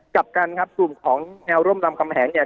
กลับกันครับกลุ่มของแนวร่มรำคำแหงเนี่ย